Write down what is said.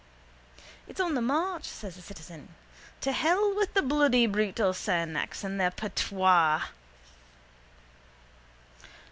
—It's on the march, says the citizen. To hell with the bloody brutal Sassenachs and their _patois.